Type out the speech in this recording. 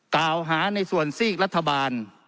กล่าวหาในส่วนซีกรัฐบาล